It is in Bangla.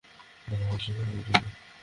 না, আমরা চাইনা।